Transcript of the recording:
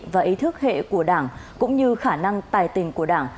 và ý thức hệ của đảng cũng như khả năng tài tình của đảng